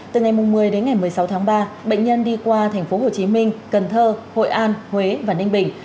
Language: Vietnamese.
từ ngày một mươi đến ngày một mươi sáu tháng ba bệnh nhân đi qua thành phố hồ chí minh cần thơ hội an huế và ninh bình